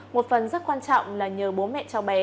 một phần rất quan trọng là nhờ bố mẹ cháu bé